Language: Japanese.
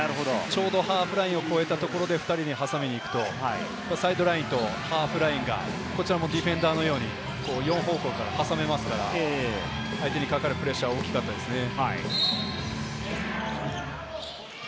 ちょうどハーフラインを超えたところで２人で挟みに行くと、サイドラインとハーフラインがどちらもディフェンダーのように両方向からはさめますから相手にかかるプレッシャーは大きかったですね。